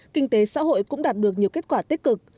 kinh tế xã hội cũng đạt được nhiều kết quả tích cực